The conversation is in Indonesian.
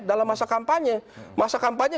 dalam masa kampanye masa kampanye